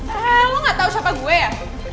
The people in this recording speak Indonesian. oh lo gak tau siapa gue ya